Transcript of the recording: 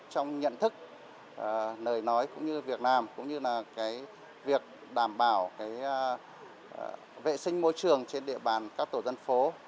trong nhận thức lời nói việc làm việc đảm bảo vệ sinh môi trường trên địa bàn các tổ dân phố